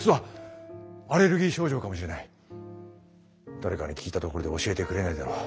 誰かに聞いたところで教えてくれないだろう。